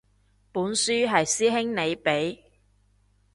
本書係師兄你畀